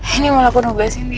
ini malah aku nubesin dia